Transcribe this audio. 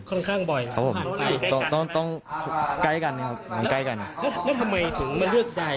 ค่อนข้างบ่อยครับผ่านไปครับผมต้องใกล้กันครับมันใกล้กันครับแล้วทำไมถึงไม่เลือกได้